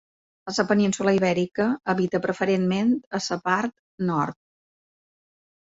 A la península Ibèrica habita preferentment a la part nord.